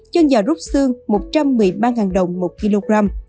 chân gà rút xương một trăm một mươi ba đồng một kg